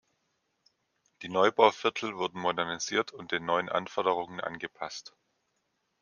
Die Neubauviertel wurden modernisiert und den neuen Anforderungen angepasst.